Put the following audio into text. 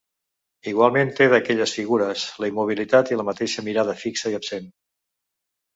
Igualment té d'aquelles figures la immobilitat i la mateixa mirada fixa i absent.